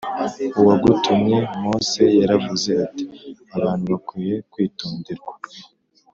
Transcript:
uwagutumye Mose yaravuze ati abantu bakwiye kwitonderwa